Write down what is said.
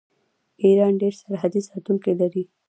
ایران ډیر سرحدي ساتونکي لري.